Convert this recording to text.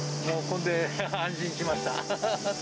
これで安心しました。